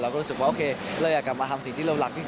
ก็รู้สึกว่าโอเคเราอยากกลับมาทำสิ่งที่เรารักที่สุด